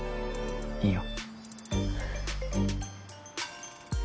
いいよ。